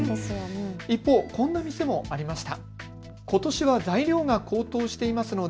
一方、こんなお店もありました。